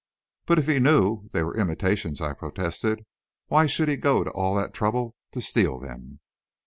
"But if he knew they were imitations," I protested, "why should he go to all that trouble to steal them?"